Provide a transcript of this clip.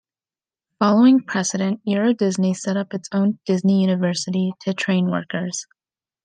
Following precedent, Euro Disney set up its own Disney University to train workers.